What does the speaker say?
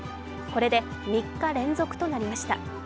これで３日連続となりました。